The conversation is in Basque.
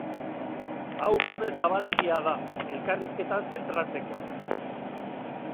Hau gune zabalegia da, elkarrizketan zentratzeko.